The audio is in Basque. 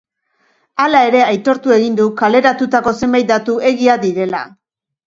Hala ere, aitortu egin du kaleratutako zenbait datu egia direla.